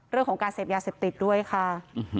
เรื่องของการเสพยาเสพติดด้วยค่ะ